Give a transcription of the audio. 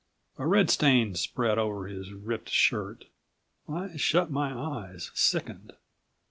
A red stain spread over his ripped shirt. I shut my eyes, sickened.